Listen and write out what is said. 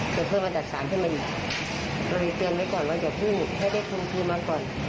จะเพิ่มอันดับสารเพื่อไม่มีเราจะเตือนไว้ก่อนว่าอย่าเพิ่มอีกให้ได้เพิ่มเพิ่มมาก่อน